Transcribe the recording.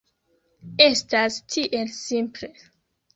Estas tiel simple!